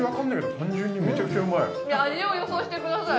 いや味を予想してください